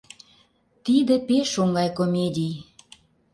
Тиде пеш оҥай комедий...